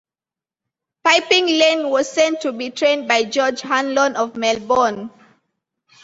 Piping Lane was sent to be trained by George Hanlon of Melbourne.